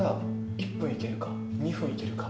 １分いけるか、２分いけるか？